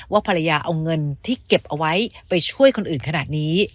ภรรยาเอาเงินที่เก็บเอาไว้ไปช่วยคนอื่นขนาดนี้